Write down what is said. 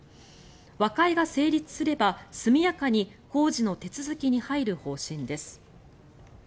和解が成立すれば速やかに工事の手続きに入る方針です。